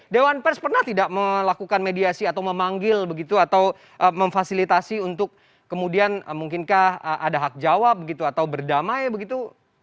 dewan pers pernah tidak melakukan mediasi atau memanggil begitu atau memfasilitasi untuk kemudian mungkinkah ada hak jawab begitu atau berdamai begitu